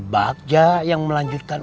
bagja yang milan